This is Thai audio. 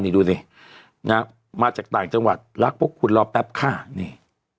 นี่ดูสินะมาจากต่างจังหวัดรักพวกคุณรอแป๊บค่ะนี่